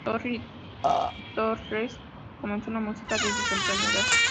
Tommy Torres, comenzó en la música desde temprana edad.